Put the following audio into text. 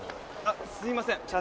あっすいません。